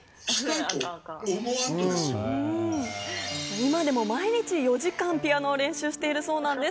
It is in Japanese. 今でも毎日４時間ピアノを練習しているそうなんです。